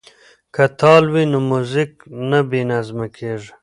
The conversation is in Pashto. که تال وي نو موزیک نه بې نظمه کیږي.